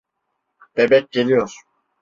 Bebek geliyor.